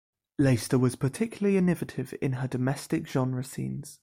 Leyster was particularly innovative in her domestic genre scenes.